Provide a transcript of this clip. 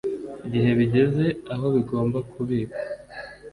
igihe bigeze aho bigomba kubikwa